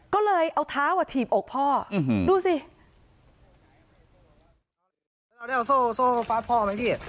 ก็เลยเอาเท้าอ่ะถีบอกพ่อดูสิ